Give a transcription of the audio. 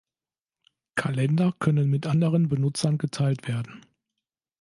Kalender können mit anderen Benutzern geteilt werden.